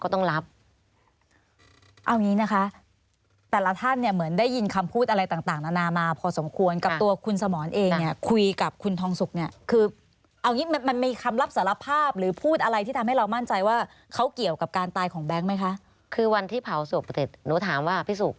ถ้ามันพี่สุกมันไม่ได้ทำแล้วใครทำ